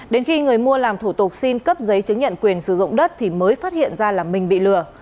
đến khi người mua làm thủ tục xin cấp giấy chứng nhận quyền sử dụng đất thì mới phát hiện ra là mình bị lừa